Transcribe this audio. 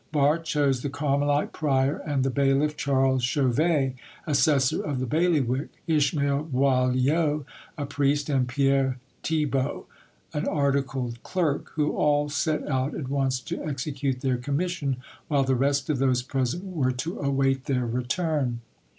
Barre chose the Carmelite prior, and the bailiff Charles Chauvet, assessor of the bailiwick, Ismael Boulieau a priest, and Pierre Thibaut, an articled clerk, who all set out at once to execute their commission, while the rest of those present were to await their return.